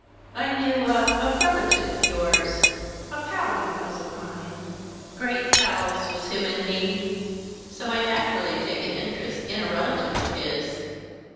" I knew a — a relative of yours. A pal, he was, of mine ; great pals was him and me. So I naturally take an interest in a relative of his."